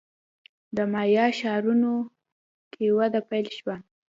د مایا ښارونو کې وده پیل شوه.